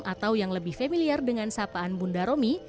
atau yang lebih familiar dengan sapaan bunda romi